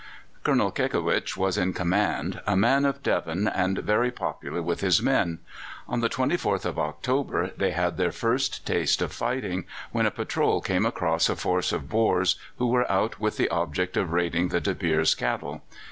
Colonel Kekewich was in command a man of Devon, and very popular with his men. On the 24th of October they had their first taste of fighting, when a patrol came across a force of Boers who were out with the object of raiding the De Beers' cattle.